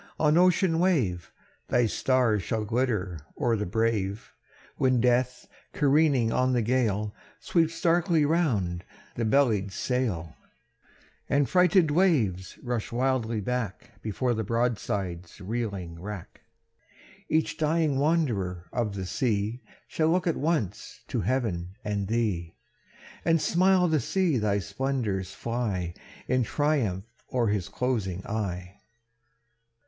on ocean wave Thy stars shall glitter o'er the brave; When death, careering on the gale, Sweeps darkly round the bellied sail, And frighted waves rush wildly back Before the broadside's reeling rack, Each dying wanderer of the sea Shall look at once to heaven and thee, And smile to see thy splendours fly In triumph o'er his closing eye.